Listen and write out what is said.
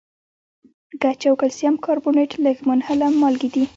ګچ او کلسیم کاربونیټ لږ منحله مالګې دي.